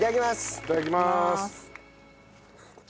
いただきます。